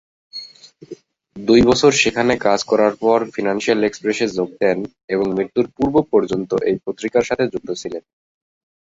দুই বছর সেখানে কাজ করার পর ফিনান্সিয়াল এক্সপ্রেস-এ যোগ দেন এবং মৃত্যুর পূর্ব পর্যন্ত এই পত্রিকার সাথে যুক্ত ছিলেন।